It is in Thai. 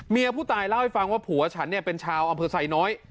ผู้ตายเล่าให้ฟังว่าผัวฉันเนี่ยเป็นชาวอำเภอไซน้อย